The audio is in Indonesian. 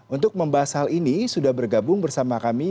untuk membahas hal ini sudah bergabung bersama kami